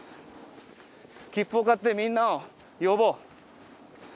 切符を買ってみんなを呼ぼう。